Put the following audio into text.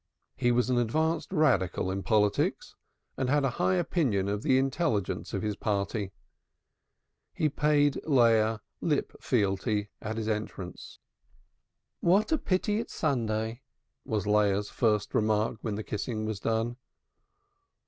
He was an advanced Radical in politics, and had a high opinion of the intelligence of his party. He paid Leah lip fealty on his entry. "What a pity it's Sunday!" was Leah's first remark when the kissing was done.